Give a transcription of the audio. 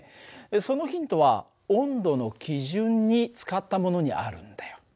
そのヒントは温度の基準に使ったものにあるんだよ。